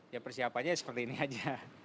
ya persiapannya seperti ini aja